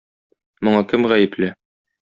Моңа кем гаепле?